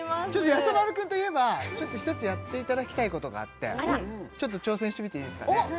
やさ丸くんといえば一つやっていただきたいことがあってちょっと挑戦してみていいですかね？